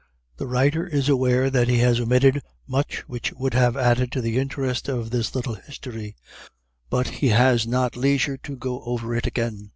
The writer is aware that he has omitted much which would have added to the interest of this little history; but he has not leisure to go over it again.